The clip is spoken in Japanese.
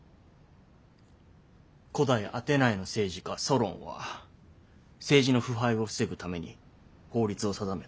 古代アテナイの政治家ソロンは政治の腐敗を防ぐために法律を定めた。